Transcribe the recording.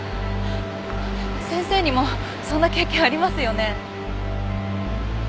先生にもそんな経験ありますよね？